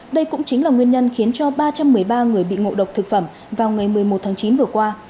đây cũng chính là nguyên nhân khiến cho ba trăm một mươi ba người bị ngộ độc thực phẩm vào ngày một mươi một tháng chín vừa qua